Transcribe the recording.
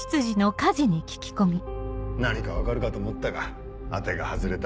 何か分かるかと思ったが当てが外れた。